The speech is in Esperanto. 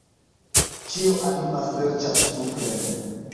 Ĉio anima serĉas supren.